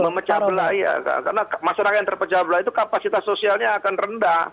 memecah belah karena masyarakat yang terpecah belah itu kapasitas sosialnya akan rendah